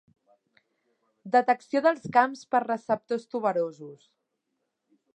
Detecció dels camps per receptors tuberosos.